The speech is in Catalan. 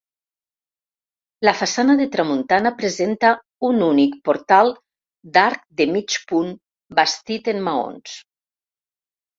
La façana de tramuntana presenta un únic portal d'arc de mig punt bastit en maons.